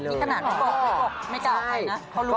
นี่ขนาดไม่บอกไม่กล่าวใครนะ